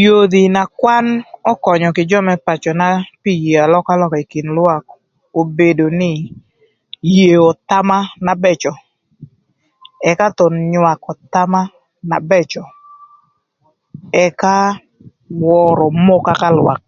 Yodhi na kwan ökönyö kï jö më pacöna pï yeo alökalöka ï kin lwak obedo nï, yeo thama na bëcö, ëka thon nywakö thama na bëcö, ëka wörö moka ka lwak,